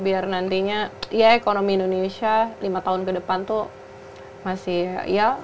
biar nantinya ekonomi indonesia lima tahun ke depan tuh